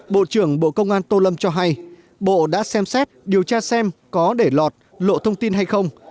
bộ trưởng bộ công an tô lâm cho hay bộ đã xem xét điều tra xem có để lọt lộ thông tin hay không